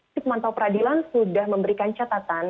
si pemantau peradilan sudah memberikan catatan